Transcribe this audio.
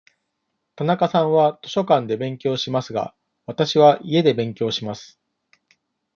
田中さんは図書館で勉強しますが、わたしは家で勉強します。